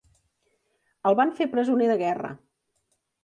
El van fer presoner de guerra.